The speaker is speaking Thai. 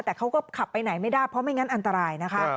แต่เขาก็ขับไปไหนไม่ได้เพราะไม่งั้นอันตรายนะคะ